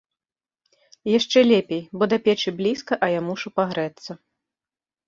Яшчэ лепей, бо да печы блізка, а я мушу пагрэцца.